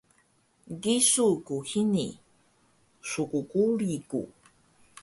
Gisu ku hini, skguli ku!